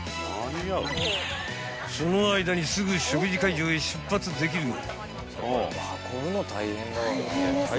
［その間にすぐ食事会場へ出発できるよう］